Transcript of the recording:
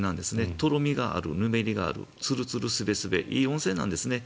とろみがある、ぬめりがあるつるつる、すべすべいい温泉なんですね。